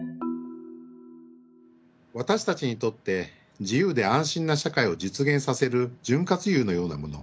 私たちにとって自由で安心な社会を実現させる潤滑油のようなもの